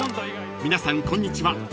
［皆さんこんにちは